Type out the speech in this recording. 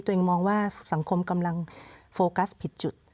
ตัวเองมองว่าสังคมกำลังโฟกัสผิดจุด